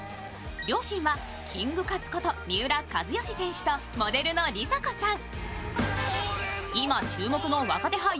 両親はキングカズこと三浦知良選手とモデルのりさ子さん。